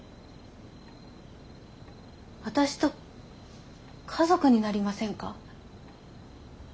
私と家族になりませんか？